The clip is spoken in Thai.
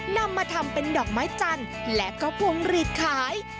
นำมาทำเป็นดอกไม้จันทร์และก็พวงหลีดขาย